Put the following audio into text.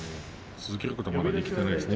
続けることができていないですね。